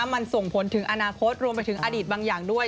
มันส่งผลถึงอนาคตรวมไปถึงอดีตบางอย่างด้วย